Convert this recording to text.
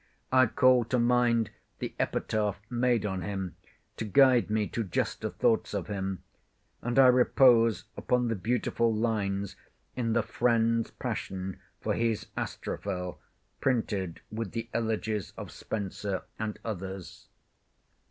I call to mind the epitaph made on him, to guide me to juster thoughts of him; and I repose upon the beautiful lines in the "Friend's Passion for his Astrophel," printed with the Elegies of Spenser and others.